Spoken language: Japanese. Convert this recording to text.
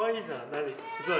何すごい。